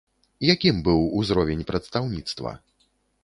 Якім быў узровень прадстаўніцтва?